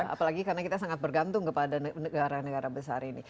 apalagi karena kita sangat bergantung kepada negara negara besar ini